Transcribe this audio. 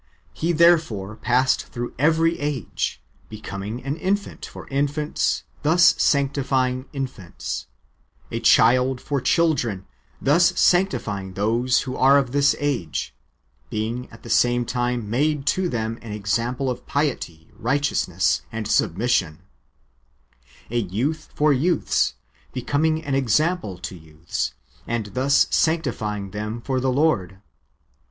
He therefore passed through every age, becoming an infant for infants, thus sanctifying infants; a child for children, thus sanctifying those who are of this age, being at the same time made to them an example of piety, righteousness, and submission; a youth for youths, becoming an example to youths, and thus sanctifying them for the Lord.